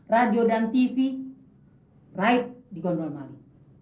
radio dan tv raib di gondol malu